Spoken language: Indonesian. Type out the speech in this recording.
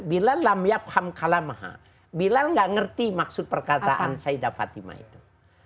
bilal tidak mengerti maksud perkataan syeda fatimah itu